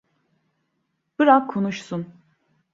Bırak konuşsun.